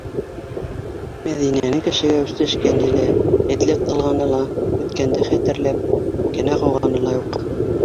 Мәҙинәнең кешегә үсләшкәне лә, этлек ҡылғаны ла, үткәнде хәтерләп, кенә ҡыуғаны ла юҡ.